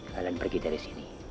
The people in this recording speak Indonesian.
kalian pergi dari sini